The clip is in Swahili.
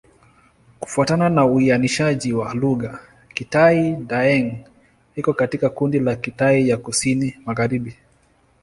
Kufuatana na uainishaji wa lugha, Kitai-Daeng iko katika kundi la Kitai ya Kusini-Magharibi.